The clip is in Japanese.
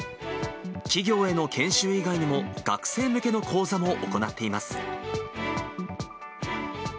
企業への研修以外にも学生向けの講座も行っています。